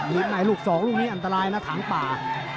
ลูกในลูกศอกลูกนี้อันตรายนะถังป่า